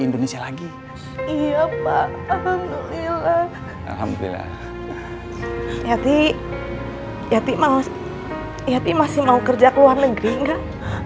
indonesia lagi iya pak alhamdulillah yati yatima yati masih mau kerja ke luar negeri enggak